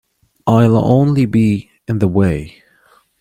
I'll only be in the way.